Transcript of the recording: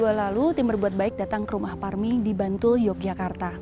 pada juli dua ribu dua puluh dua lalu tim berbuat baik datang ke rumah parmi di bantul yogyakarta